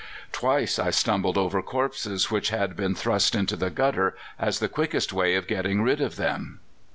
Twice I stumbled over corpses which had been thrust into the gutter as the quickest way of getting rid of them.